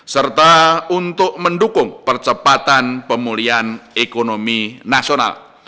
serta untuk mendukung percepatan pemulihan ekonomi nasional